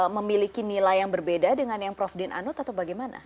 memiliki nilai yang berbeda dengan yang prof din anut atau bagaimana